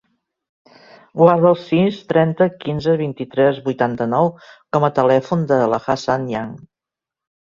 Guarda el sis, trenta, quinze, vint-i-tres, vuitanta-nou com a telèfon de l'Hassan Yang.